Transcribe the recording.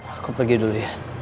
aku pergi dulu ya